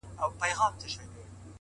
حجرې ته یم راغلې طالب جان مي پکښي نسته؛